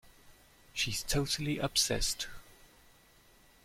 She's totally obsessed.